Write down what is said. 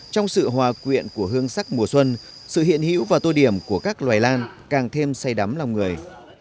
trong sự hòa quyện của hương sắc mùa xuân sự hiện hữu và tô điểm của các loài lan càng thêm say đắm lòng người